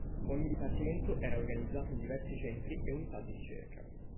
Ogni dipartimento era organizzato in diversi centri e unità di ricerca.